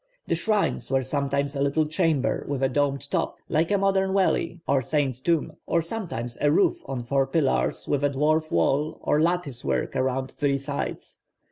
The shrines were sometimes a little chamber, with a domed top, like a modern wely or saint's tomb, or sometimes a roof on four pillars with a dwarf wall or lattice work around three sides.